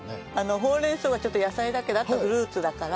ほうれん草はちょっと野菜だけどあとはフルーツだから。